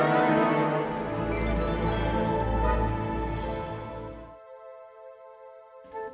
aduh aduh aduh